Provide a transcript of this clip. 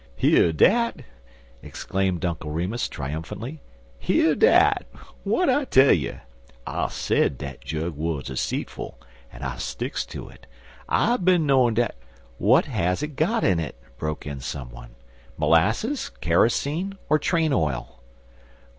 "Hear dat!" exclaimed Uncle Remus, triumphantly "hear dat! W'at I tell you? I sed dat jug wuz seetful, an' I sticks to it. I bin knowin' dat " "What has it got in it?" broke in some one; "molasses, kerosene, or train oil?"